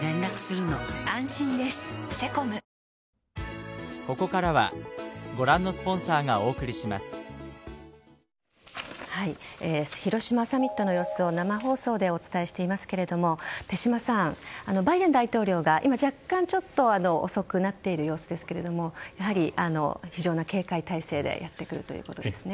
細かいニュアンスを含めて広島サミットの様子を生放送でお伝えしていますが手嶋さん、バイデン大統領が今若干遅くなっている様子ですがやはり非常に強い警戒態勢でやってくるということですね。